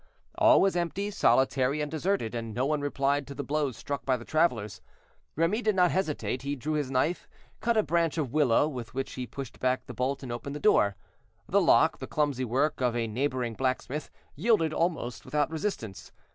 All was empty, solitary, and deserted, and no one replied to the blows struck by the travelers. Remy did not hesitate; he drew his knife, cut a branch of willow, with which he pushed back the bolt and opened the door. The lock, the clumsy work of a neighboring blacksmith, yielded almost without resistance.